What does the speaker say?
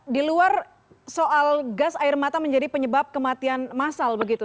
di luar soal gas air mata menjadi penyebab kematian masal begitu